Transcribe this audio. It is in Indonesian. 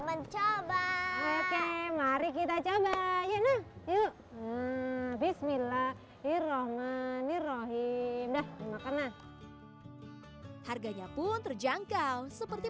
mencoba oke mari kita coba yuk bismillahirohmanirohim dah makan nah harganya pun terjangkau seperti